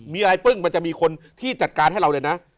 มีอะไรปึ้งมันจะมีคนที่จัดการให้เราเลยนะ